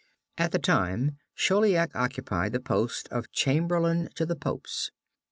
At the time Chauliac occupied the post of chamberlain to the Popes.